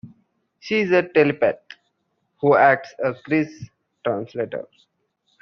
She is a telepath who acts as Chris' translator.